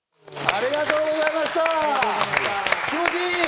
ありがとうございます。